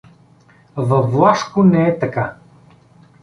Във Влашко не е така.